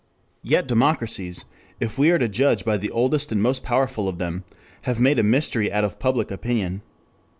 Yet democracies, if we are to judge by the oldest and most powerful of them, have made a mystery out of public opinion.